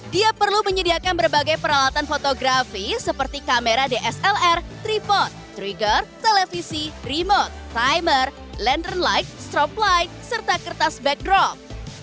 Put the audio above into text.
dia perlu menyediakan berbagai peralatan fotografi seperti kamera dslr tripod trigger televisi remote timer lantern light strobe light serta kertas backdrop